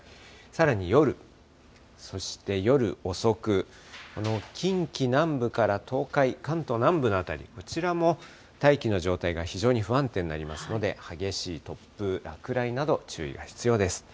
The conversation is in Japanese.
さらに夜、そして夜遅く、近畿南部から東海、関東南部の辺り、こちらも大気の状態が非常に不安定になりますので、激しい突風、落雷など、注意が必要です。